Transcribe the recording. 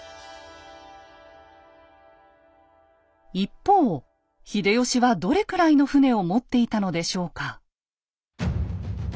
一方秀吉はどれくらいの船を持っていたのでしょうか？